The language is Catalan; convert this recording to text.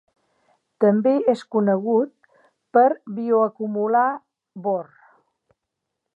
També és conegut per bioacumular bor.